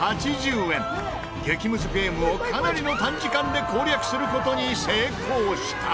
激ムズゲームをかなりの短時間で攻略する事に成功した。